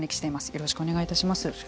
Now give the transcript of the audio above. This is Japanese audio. よろしくお願いします。